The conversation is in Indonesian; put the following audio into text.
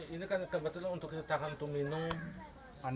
ini kan kebetulan untuk kita tahan untuk minum